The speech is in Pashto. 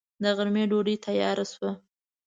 د غرمې ډوډۍ تياره شوه.